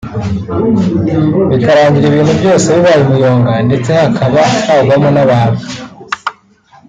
bikarangira ibintu byose bibaye umuyonga ndetse hakaba hagwamo n’abantu